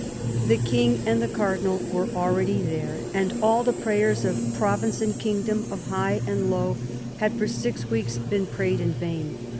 The King and the Cardinal were already there, and all the prayers of province and kingdom, of high and low, had for six weeks been prayed in vain.